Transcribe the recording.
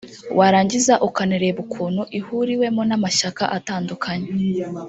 warangiza ukanareba ukuntu ihuriwemo n’amashyaka atandukanye